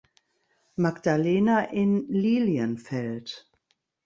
Magdalena in Lilienfeld.